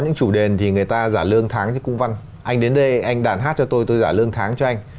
anh đến đây anh đàn hát cho tôi tôi trả lương tháng cho anh